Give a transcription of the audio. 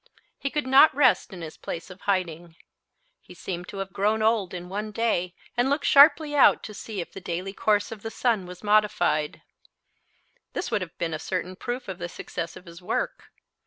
He could not rest in his place of hiding. He seemed to have grown old in one day and looked sharply out to see if the daily course of the sun was modified. This would have been a certain proof of the success of his work.